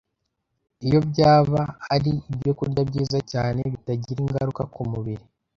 iyo byaba ari ibyokurya byiza cyane bitagira ingaruka ku mubiri